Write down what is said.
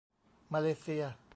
มาเลเซีย